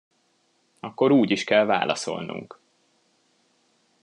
Akkor úgy is kell válaszolnunk.